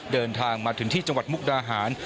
เดินทางมาถึงที่จังหวัดมุกดาหาร